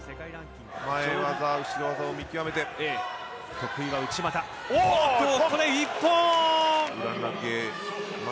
前技後ろ技を見極めて得意は内股ここで一本！